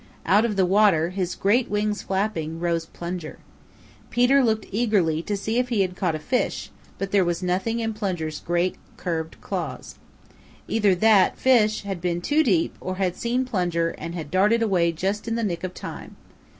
Out of the water, his great wings flapping, rose Plunger. Peter looked eagerly to see if he had caught a fish, but there was nothing in Plunger's great, curved claws. Either that fish had been too deep or had seen Plunger and darted away just in the nick of time.